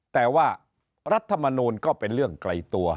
แต่ว่ารัฐมนูลก็เป็นเรื่องไกลตัว